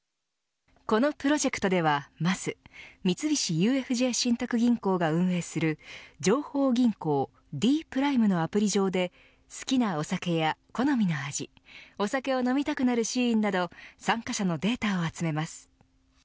このプロジェクトではまず三菱自ＵＦＪ信託銀行が運営する情報銀行Ｄｐｒｉｍｅのアプリ上で好きなお酒や好みの味お酒を飲みたくなるシーンなど参加者のデータを集めます。